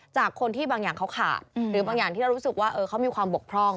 จากคนที่บางอย่างเขาขาดหรือบางอย่างที่เรารู้สึกว่าเขามีความบกพร่อง